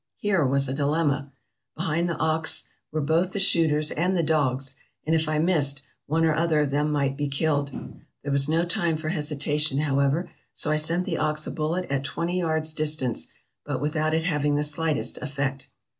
Here was a dilemma! Behind the ox were both the shooters and the dogs, and if I missed, one or other of them might be killed. There was no time for hesitation, however, so I sent the ox a bullet at twenty yards' distance, but without it having the slightest effect.